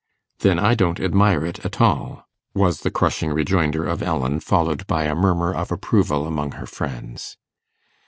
'Then I don't admire it at all!' was the crushing rejoinder of Ellen, followed by a murmur of approval among her friends.